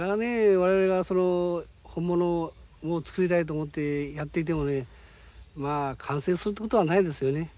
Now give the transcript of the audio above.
我々がその本物を作りたいと思ってやっていてもねまあ完成するってことはないですよね。